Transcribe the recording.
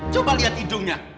coba lihat hidungnya